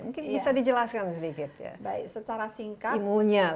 mungkin bisa dijelaskan sedikit ya